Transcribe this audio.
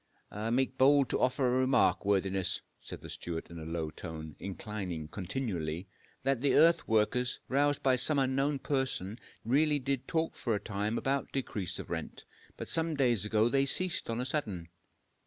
"I make bold to offer a remark, worthiness," said the steward in a low tone, inclining continually, "that the earth workers, roused by some unknown person, really did talk for a time about decrease of rent. But some days ago they ceased on a sudden."